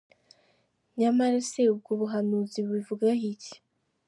Nyamara se ubwo buhanuzi bubivugaho iki ?.